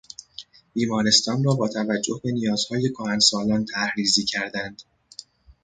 بیمارستان را با توجه به نیازهای کهنسالان طرح ریزی کردند.